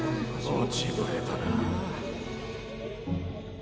落ちぶれたなぁ。